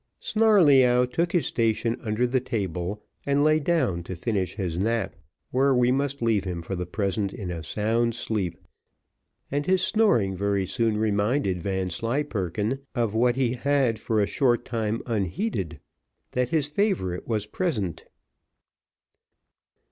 Snarleyyow took his station under the table, and lay down to finish his nap, where we must leave him for the present in a sound sleep, and his snoring very soon reminded Vanslyperken of what he had, for a short time unheeded, that his favourite was present.